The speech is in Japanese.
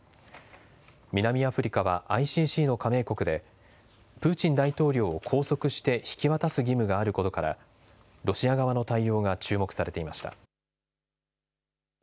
南アフリカはＩＣＣの加盟国でプーチン大統領を拘束して引き渡す義務があることからロシア側の対応が注目されていました。